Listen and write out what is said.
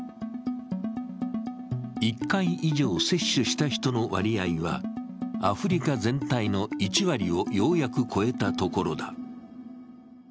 １回以上接種した人の割合はアフリカ全体の１割をようやく超えたところだ。